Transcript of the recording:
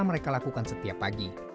mereka lakukan setiap pagi